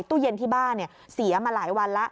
ตู้เย็นที่บ้านเสียมาหลายวันแล้ว